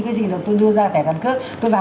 cái gì cũng được tôi đưa ra thẻ căn cước tôi vào